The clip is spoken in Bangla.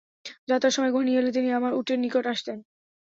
যাত্রার সময় ঘনিয়ে এলে তিনি আমার উটের নিকট আসতেন।